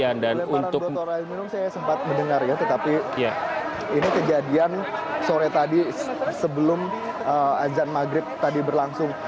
lepas itu saya sempat mendengar kejadian ini sebelum azan maghrib berlangsung